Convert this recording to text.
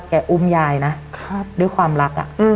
อุ้มยายนะด้วยความรัก